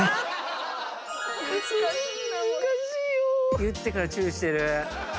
言ってからチューしてる。